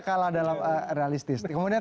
kalah dalam realistis kemudian